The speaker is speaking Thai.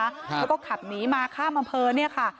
แล้วก็ขับหนีมาข้ามอำเภอเนี่ยค่ะ